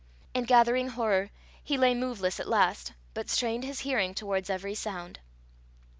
In gathering horror, he lay moveless at last, but strained his hearing towards every sound.